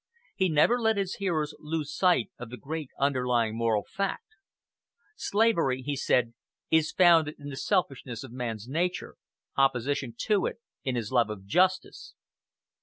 He never let his hearers lose sight of the great underlying moral fact. "Slavery," he said, "is founded in the selfishness of man's nature; opposition to it in his love of justice."